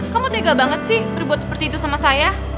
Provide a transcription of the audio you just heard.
kamu tega banget sih berbuat seperti itu sama saya